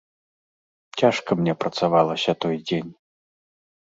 Цяжка мне працавалася той дзень.